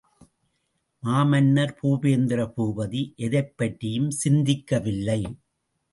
மாமன்னர் பூபேந்திர பூபதி எதைப்பற்றியும் சிந்திக்கவில்லை.